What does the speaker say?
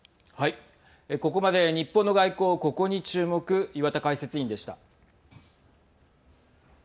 ここまで日本の外交、ここに注目岩田解説委員でした。